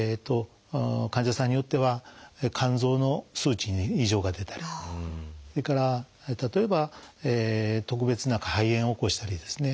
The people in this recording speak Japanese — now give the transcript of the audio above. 患者さんによっては肝臓の数値に異常が出たりそれから例えば特別肺炎を起こしたりですね